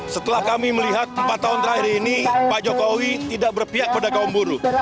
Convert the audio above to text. setelah kami melihat empat tahun terakhir ini pak jokowi tidak berpihak pada kaum buruh